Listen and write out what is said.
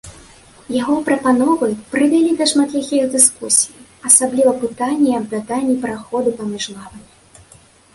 Яго прапановы прывялі да шматлікіх дыскусій, асабліва пытанне аб даданні праходу паміж лавамі.